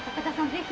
ぜひ。